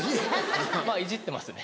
まぁいじってますね。